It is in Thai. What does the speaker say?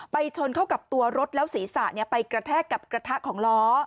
ชนเข้ากับตัวรถแล้วศีรษะไปกระแทกกับกระทะของล้อ